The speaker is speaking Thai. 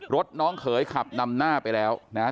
รถน้องเขยขับนำหน้าไปแล้วนะฮะ